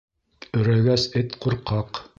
Өрәгәс эт ҡурҡаҡ.